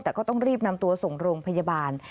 แต่ก็ต้องรีบนำตัวส่งโรงพยาบาล